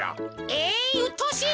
えいうっとうしい！